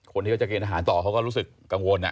คนที่เขาจะเกณฑ์อาหารต่อเขาก็รู้สึกกังวล